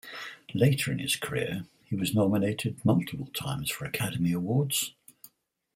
Later in his career he was nominated multiple times for Academy Awards.